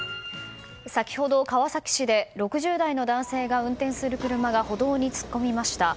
先ほど川崎市で６０代の男性が運転する車が歩道に突っ込みました。